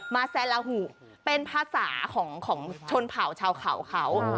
แซลาหูเป็นภาษาของชนเผ่าชาวเขาเขา